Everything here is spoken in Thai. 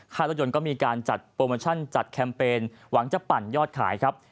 รถยนต์ก็มีการจัดโปรโมชั่นจัดแคมเปญหวังจะปั่นยอดขายครับ